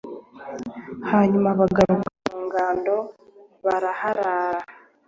hanyuma bagaruka mu ngando baraharara